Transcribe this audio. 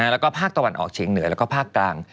แล้วก็ภาคตะวันออกเฉียงเหนือแล้วก็ภาคกลาง